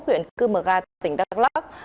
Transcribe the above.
huyện cư mờ ga tỉnh đắk lắk